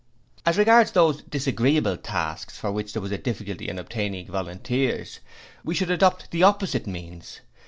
'As regards those disagreeable tasks for which there was a difficulty in obtaining volunteers, we should adopt the opposite means.